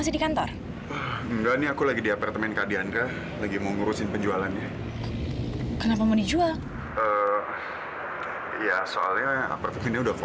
sampai jumpa di video selanjutnya